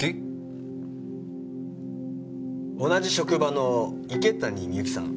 同じ職場の池谷美由紀さん